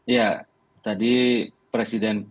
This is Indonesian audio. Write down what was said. ya tadi presiden